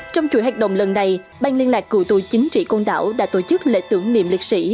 trong chuỗi hoạt động lần này ban liên lạc cựu tù chính trị côn đảo đã tổ chức lễ tưởng niệm liệt sĩ